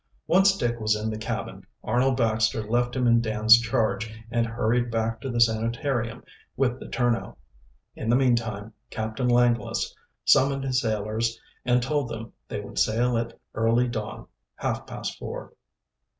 Once Dick was in the cabin, Arnold Baxter left him in Dan's charge and hurried back to the sanitarium with the turnout. In the meantime Captain Langless summoned his sailors and told them they would sail at early dawn half past four.